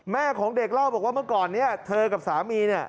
แม่ของเด็กเล่าบอกว่าเมื่อก่อนนี้เธอกับสามีเนี่ย